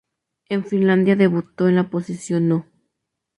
En Finlandia debutó en la posición No.